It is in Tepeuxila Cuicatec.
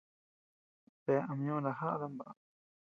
Bea ama ñoʼo najaʼa dami baʼa.